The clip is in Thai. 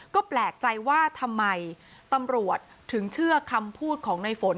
ก็แปลกใจว่าทำไมตำรวจถึงเชื่อคำพูดของในฝน